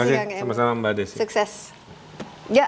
sama sama mbak desy